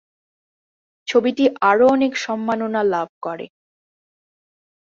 ছবিটি আরও অনেক সম্মাননা লাভ করে।